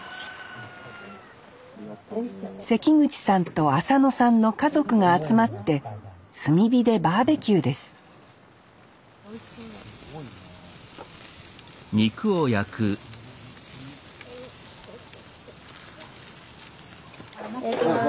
関口さんと浅野さんの家族が集まって炭火でバーベキューですいただきます。